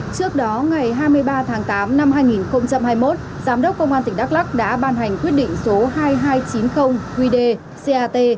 trước đó ngày hai mươi ba tháng tám năm hai nghìn hai mươi một giám đốc công an tỉnh đắk lắc đã ban hành quyết định số hai nghìn hai trăm chín mươi qd cat